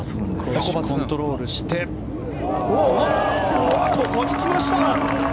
コントロールしてここに来ました。